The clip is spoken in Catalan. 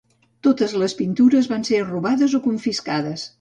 Totes les pintures van ser robades o confiscades.